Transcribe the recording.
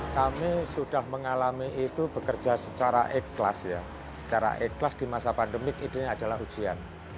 kami sudah mengalami itu bekerja secara ikhlas ya secara ikhlas di masa pandemi idenya adalah ujian